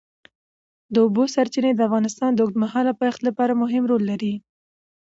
د اوبو سرچینې د افغانستان د اوږدمهاله پایښت لپاره مهم رول لري.